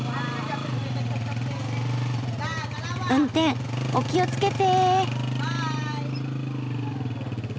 運転お気をつけて。